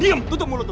diam tutup mulut lu